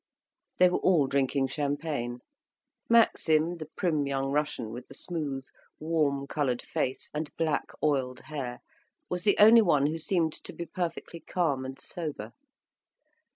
They were all drinking champagne. Maxim, the prim young Russian with the smooth, warm coloured face and black, oiled hair was the only one who seemed to be perfectly calm and sober.